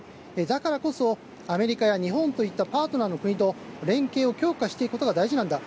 だからこそ、アメリカや日本といったパートナーの国と連携を強化していくことが大事なんだ。